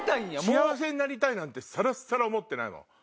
幸せになりたいなんてさらっさら思ってないもん。